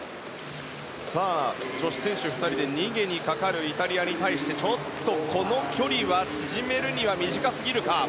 女子選手２人で逃げにかかるイタリアに対してちょっと、この距離は縮めるには短すぎるか。